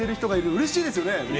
うれしいですね。